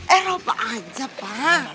eropa aja pak